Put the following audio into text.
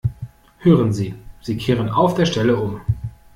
Hören Sie, Sie kehren auf der Stelle um!